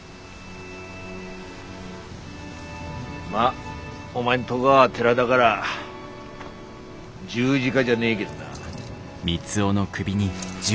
まあお前んとごは寺だがら十字架じゃねえげどな。